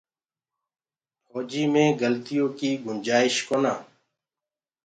ڦوجي مي گلتيو ڪي گُنجآئيش ڪونآ۔